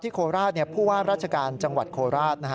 ที่โคลราศพูดว่าราชการจังหวัดโคลราศ